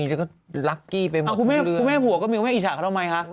แล้วก็ไปหมดทุกเรื่องอ่าคุณแม่คุณแม่ผัวก็มีคุณแม่อิจฉาเขาทำไมคะ